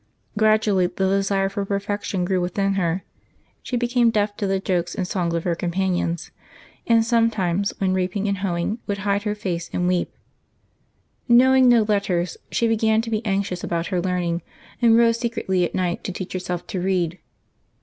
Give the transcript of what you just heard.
Gradually the desire for perfection grew within her; she became deaf to the jokes and songs of her Jantaby 13] LIVES OF THE SAINTS 35 companions, and sometimes, when reaping and hoeing, would hide her face and weep. Knowing no letters, she began to be anxious about her learning, and rose secretly at night to teach herself to read.